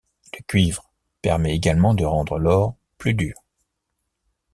Le cuivre permet également de rendre l'or plus dur.